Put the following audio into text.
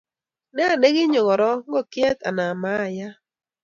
Ne nekinyo korok ngokchet anan mayaiyat